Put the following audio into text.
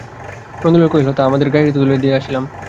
নলিন কহিল, হাঁ, আমি যে তাঁহাদের গাড়িতে তুলিয়া দিয়া আসিলাম।